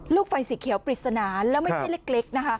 ลูกไฟสีเขียวปริศนาแล้วไม่ใช่เล็กนะคะ